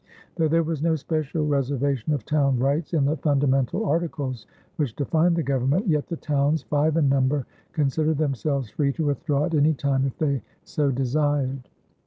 Though there was no special reservation of town rights in the fundamental articles which defined the government, yet the towns, five in number, considered themselves free to withdraw at any time if they so desired.